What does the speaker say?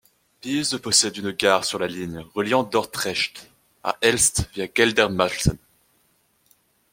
Beesd possède une gare sur la ligne reliant Dordrecht à Elst via Geldermalsen.